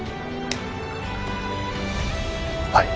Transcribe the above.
はい。